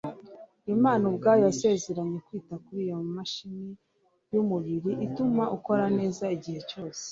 imana ubwayo yasezeranye kwita kuri iyo mashini y'umubiri ituma ukora neza igihe cyose